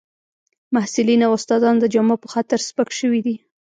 محصلین او استادان د جامو په خاطر سپک شوي دي